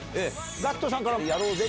ＧＡＣＫＴさんからやろうぜ！